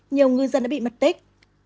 nhiều ngư dân đã bị mất tích